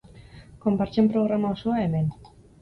Konpartsen programa osoa, hemen.